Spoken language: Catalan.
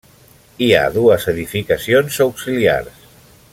Hi ha dues edificacions auxiliars.